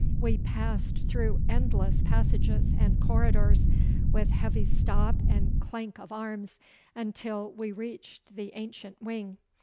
We passed through endless passages and corridors, with heavy stop and clank of arms, until we reached the ancient wing.